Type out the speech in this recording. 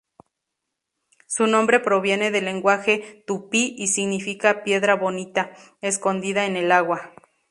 Su nombre proviene del lenguaje tupí y significa "piedra bonita escondida en el agua".